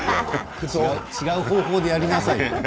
違う方法でやりなさいよ。